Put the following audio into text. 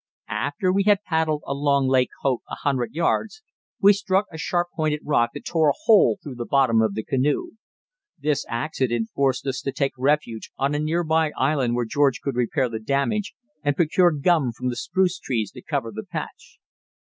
After we had paddled along Lake Hope a hundred yards, we struck a sharp pointed rock that tore a hole through the bottom of the canoe. This accident forced us to take refuge on a near by island where George could repair the damage and procure gum from the spruce trees to cover the patch.